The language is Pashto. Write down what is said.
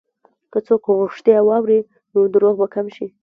که څوک رښتیا واوري، نو دروغ به کم شي.